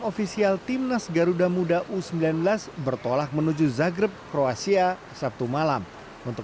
ofisial timnas garuda muda u sembilan belas bertolak menuju zagreb kroasia sabtu malam untuk